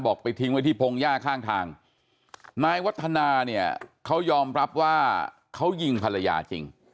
ไปทิ้งไว้ที่พงหญ้าข้างทางนายวัฒนาเนี่ยเขายอมรับว่าเขายิงภรรยาจริง